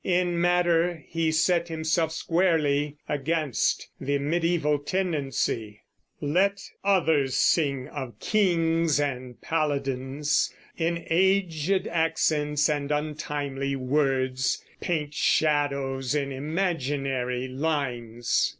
In matter he set himself squarely against the mediæval tendency: Let others sing of kings and paladines In aged accents and untimely words, Paint shadows in imaginary lines.